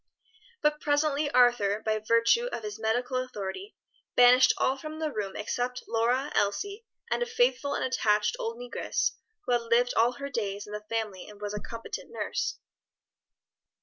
But presently Arthur, by virtue of his medical authority, banished all from the room except Lora, Elsie, and a faithful and attached old negress who had lived all her days in the family and was a competent nurse.